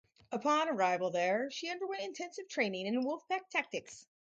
Upon arrival there, she underwent intensive training in wolfpack tactics.